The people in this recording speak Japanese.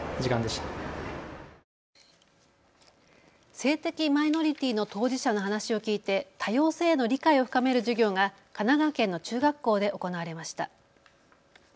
性的マイノリティーの当事者の話を聞いて多様性への理解を深める授業が神奈川県の中学校で行われました。